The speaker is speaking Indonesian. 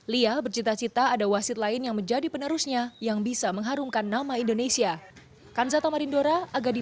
lia bercita cita ada wasit lain yang menjadi penerusnya yang bisa mengharumkan nama indonesia